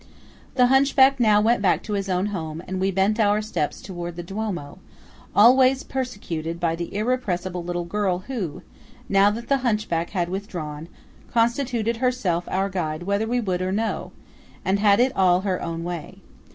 The hunchback now went back to his own home and we bent our steps towards the Duomo, always persecuted by the irrepressible little girl who, now that the hunchback had withdrawn, constituted herself our guide whether we would or no, and had it all her own way.